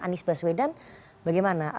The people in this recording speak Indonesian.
anies baswedan bagaimana